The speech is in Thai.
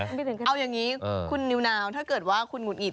เอาอย่างนี้คุณนิวนาวถ้าเกิดว่าคุณหุดหงิด